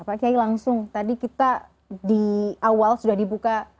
pak kiai langsung tadi kita di awal sudah dibuka